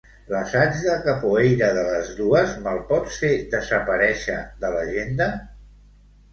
L'assaig de capoeira de les dues me'l pots fer desaparèixer de l'agenda?